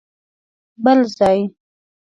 بل ځای؟!